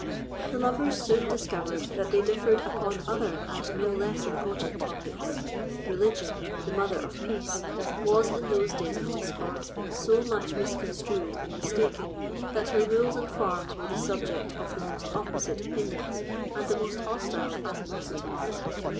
The lovers soon discovered that they differed upon other and no less important topics. Religion, the mother of peace, was, in those days of discord, so much misconstrued and mistaken, that her rules and forms were the subject of the most opposite opinions and the most hostile animosities.